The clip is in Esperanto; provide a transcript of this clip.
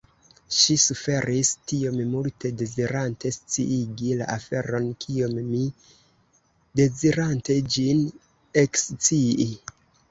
Ŝi suferis tiom multe dezirante sciigi la aferon kiom mi dezirante ĝin ekscii.